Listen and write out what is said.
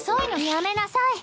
やめなさい！